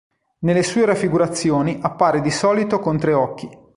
Nelle sue raffigurazioni appare di solito con tre occhi.